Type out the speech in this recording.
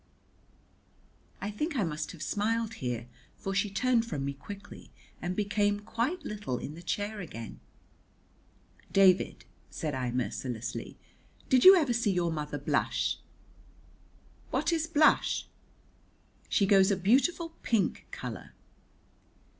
I think I must have smiled here, for she turned from me quickly, and became quite little in the chair again. "David," said I mercilessly, "did you ever see your mother blush?" "What is blush?" "She goes a beautiful pink colour."